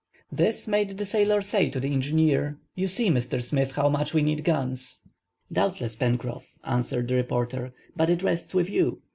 This made the sailor say to the engineer:— "You see, Mr. Smith, how much we need guns!" "Doubtless, Pencroff," answered the reporter, "but it rests with you.